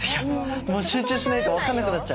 もう集中しないと分かんなくなっちゃう。